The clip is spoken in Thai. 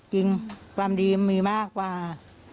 จริงความดีมันมีมากป่าว